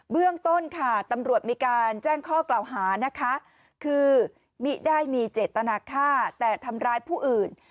เรื่องต้นค่ะตำรวจมีการแจ้งข้อกล่าวหานะคะคือมิได้มีเจตนาค่าแต่ทำร้ายผู้อื่น